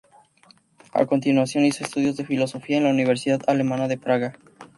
A continuación, hizo estudios de filosofía en la universidad alemana de Praga.